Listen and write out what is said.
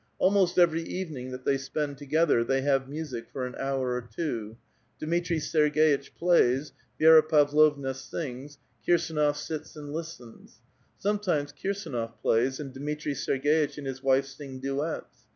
Almost every A VITAL QUESTION. 223 evening that they spend together, they have music for an hour or two: Dmitri 8eig6iteh plays, Vi6ra Puvlovna Bings, Kirs&nof sits and listens ; sometimes Kirsduot* plays, and Dmitri Serg^itch and his wife sing duets.